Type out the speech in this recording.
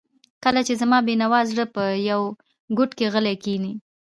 کله چې زما بېنوا زړه په یوه ګوټ کې غلی کښیني.